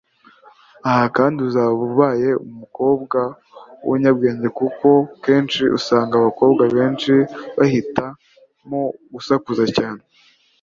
Aha kandi uzaba ubaye umukobwa w’umunyabwenge kuko akenshi usanga abakobwa benshi bahitamo gusakuza cyane